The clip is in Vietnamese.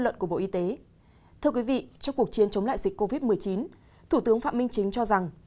thưa quý vị trong cuộc chiến chống lại dịch covid một mươi chín thủ tướng phạm minh chính cho rằng